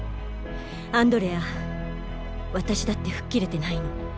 アンドレア私だって吹っ切れてないの。